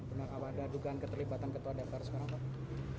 apakah ada adukan keterlibatan ketua daftar sekarang pak